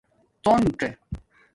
څݸنژ